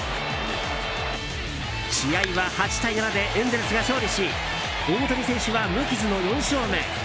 試合は８対７でエンゼルスが勝利し大谷選手は無傷の４勝目。